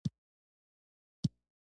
هغه هغې ته په درناوي د خزان کیسه هم وکړه.